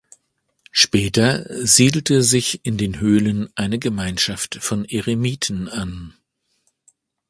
Später siedelte sich in den Höhlen eine Gemeinschaft von Eremiten an.